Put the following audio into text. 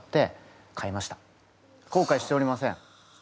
後悔しておりません。